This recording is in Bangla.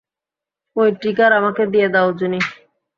ঐ ট্রিগার আমাকে দিয়ে দাও জুনি।